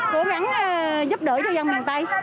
cố gắng giúp đỡ cho dân miền tây